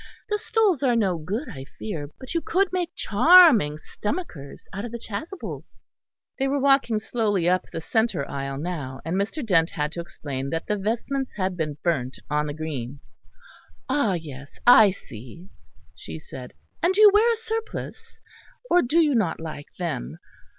The stoles are no good, I fear; but you could make charming stomachers out of the chasubles." They were walking slowly up the centre aisle now. Mr. Dent had to explain that the vestments had been burnt on the green. "Ah! yes; I see," she said, "and do you wear a surplice, or do you not like them?